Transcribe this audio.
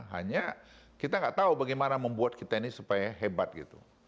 hanya kita nggak tahu bagaimana membuat kita ini supaya hebat gitu